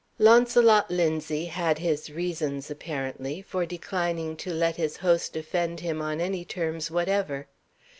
Launcelot Linzie had his reasons (apparently) for declining to let his host offend him on any terms whatever.